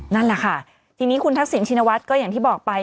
นั่นแหละค่ะทีนี้คุณทักษิณชินวัฒน์ก็อย่างที่บอกไป